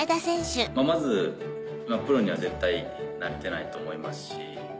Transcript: まずプロには絶対なれてないと思いますし